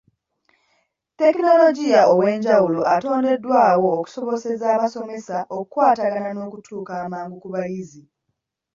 Tekinologiya ow'enjawulo atondeddwawo okusobozesa abasomesa okukwatagana n'okutuuka amangu ku bayizi.